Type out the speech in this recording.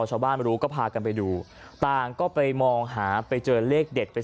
ชาวบ้านรู้ก็พากันไปดูต่างก็ไปมองหาไปเจอเลขเด็ด